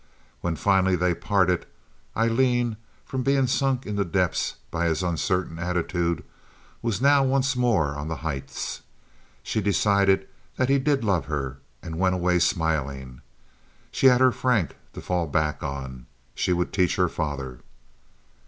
When finally they parted, Aileen, from being sunk in the depths by his uncertain attitude, was now once more on the heights. She decided that he did love her, and went away smiling. She had her Frank to fall back on—she would teach her father.